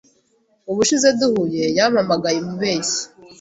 Ubushize duhuye, yampamagaye umubeshyi.